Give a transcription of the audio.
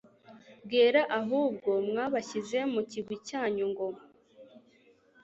bwera ahubwo mwabashyize mu kigwi cyanyu ngo